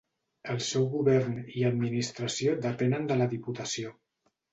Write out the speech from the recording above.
El seu govern i administració depenen de la Diputació.